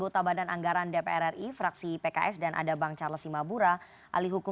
terima kasih pak